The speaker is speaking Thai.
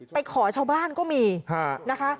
ไปขอชาวบ้านก็มีนะคะ